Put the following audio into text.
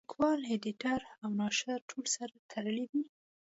لیکوال اېډیټر او ناشر ټول سره تړلي دي.